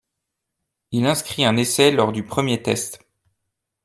Il inscrit un essai lors du premier test.